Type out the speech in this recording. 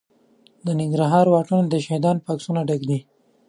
د ننګرهار واټونه د شهیدانو په عکسونو ډک دي.